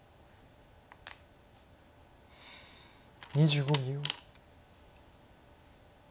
２５秒。